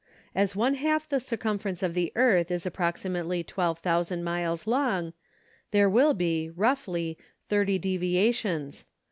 As one half the circumference of the earth is ap proximately 12,000 miles long there will be, roughly, thirty deviations.